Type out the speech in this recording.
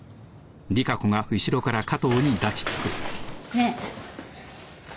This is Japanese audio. ねえ。